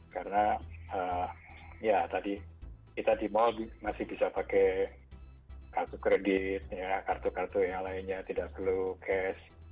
karena ya tadi kita di mall masih bisa pakai kartu kredit kartu kartu yang lainnya tidak perlu cash